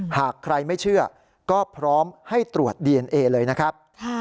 หากใครไม่เชื่อก็พร้อมให้ตรวจดีเอนเอเลยนะครับ